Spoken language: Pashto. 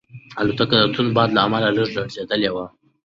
الوتکه د توند باد له امله لږه لړزېدلې وه.